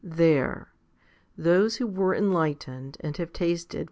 8 There ! those who were enlightened and have tasted fall 1 Col.